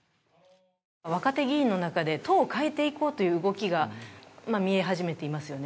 若手議員の中で党を変えていこうという動きが見え始めていますよね。